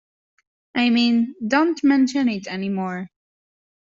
I mean, don't mention it any more.